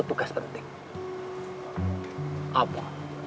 dan sepertinya aja